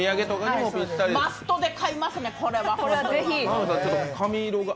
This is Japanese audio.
マストで買いますね、これは。